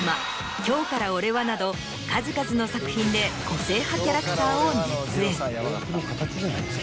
など数々の作品で個性派キャラクターを熱演。